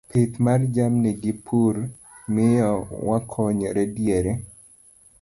Pith mar jamni gi pur miyo wakonyore diere